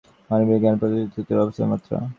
মানবীয় জ্ঞান পশুজ্ঞানেরই উচ্চতর অবস্থামাত্র।